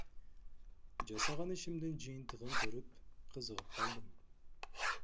Жасаган ишимдин жыйынтыгын көрүп, кызыгып калдым.